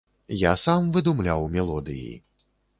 Я сам выдумляў мелодыі.